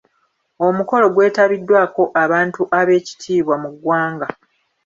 Omukolo gwetabiddwako abantu ab'ekitiibwa mu ggwanga.